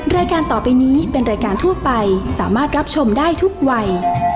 รายการต่อไปนี้เป็นรายการทั่วไปสามารถรับชมได้ทุกวัย